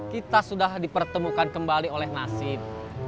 kita sudah dipertemukan kembali oleh nasib